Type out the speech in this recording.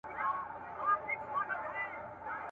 شرنګاشرنګ به د رباب او د پایل وي ,